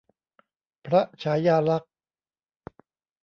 พระฉายาลักษณ์